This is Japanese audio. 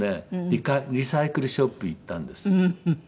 一回リサイクルショップ行ったんです。